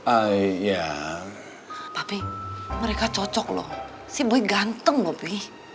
ayah tapi mereka cocok loh si boy ganteng mobi